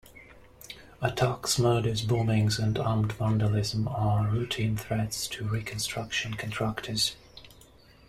Attacks, murders, bombings and armed vandalism are routine threats to reconstruction contractors.